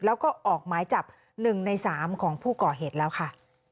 แล้วก็ออกไม้จับหนึ่งในสามของผู้ก่อเหตุแล้วค่ะ